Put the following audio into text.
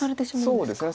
そうですね。